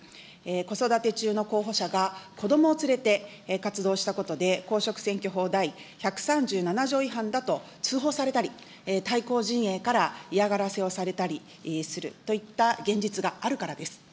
子育て中の候補者が、子どもを連れて活動したことで、公職選挙法第１３７条違反だと通報されたり、対抗陣営から嫌がらせをされたりするといった現実があるからです。